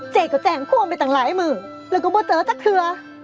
เจ๊ก็แจ้งความไปต่างหลายมือแล้วก็ไม่เจอจักเธอ